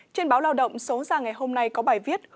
trên báo lao động số ra ngày hôm nay có bài viết